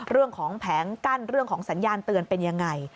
เรื่องของแผงกั้นเรื่องของสัญญาณเตือนเป็นอย่างไร